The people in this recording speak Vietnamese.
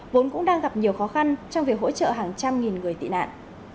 vốn cũng đang gặp nhiều khó khăn trong việc hỗ trợ hàng trăm nghìn người tị nạn